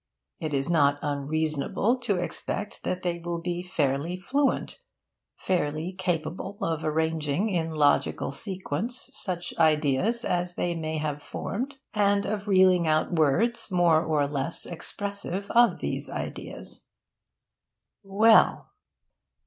It is not unreasonable to expect that they will be fairly fluent fairly capable of arranging in logical sequence such ideas as they may have formed, and of reeling out words more or less expressive of these ideas. Well!